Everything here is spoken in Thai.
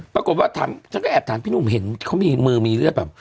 ปรากฏว่าฉันก็แอบถามพี่หนุ่มเห็นเขามีมือมีเลือดแบบ